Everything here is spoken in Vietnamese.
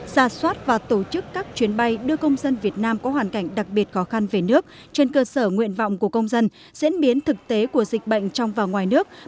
ra soát và tổ chức các chuyến bay đưa công dân việt nam có hoàn cảnh đặc biệt khó khăn về nước trên cơ sở nguyện vọng của công dân diễn biến thực tế của dịch bệnh trong và ngoài nước